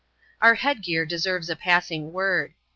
Our headgear deserves a passing word.